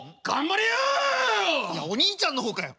「お兄ちゃんの方かよ！」。